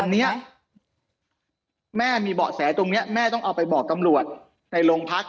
ตอนนี้แม่มีเบาะแสตรงนี้แม่ต้องเอาไปบอกตำรวจในโรงพัก